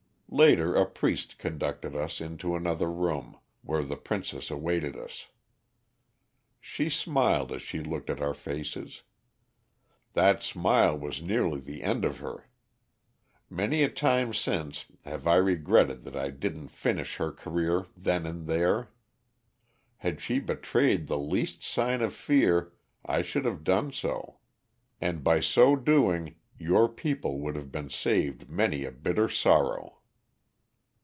Later a priest conducted us into another room, where the princess awaited us. "She smiled as she looked at our faces. That smile was nearly the end of her. Many a time since have I regretted that I didn't finish her career then and there. Had she betrayed the least sign of fear I should have done so. And by so doing your people would have been saved many a bitter sorrow."